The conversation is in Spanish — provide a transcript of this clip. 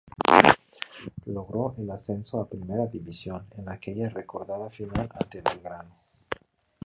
Logró el ascenso a Primera División, en aquella recordada final ante Belgrano.